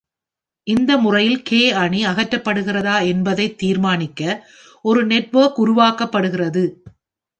இந்த முறையில் "கே" அணி அகற்றப்படுகிறதா என்பதைத் தீர்மானிக்க ஒரு நெட்வொர்க் உருவாக்கப்படுகிறது.